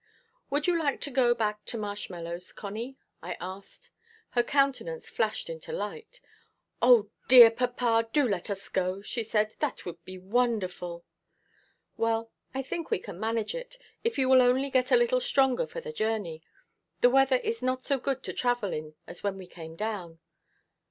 "Would you like to go back to Marshmallows, Connie?" I asked. Her countenance flashed into light. "O, dear papa, do let us go," she said; "that would be delightful." "Well, I think we can manage it, if you will only get a little stronger for the journey. The weather is not so good to travel in as when we came down."